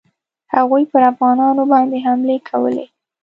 هغوی پر افغانانو باندي حملې کولې.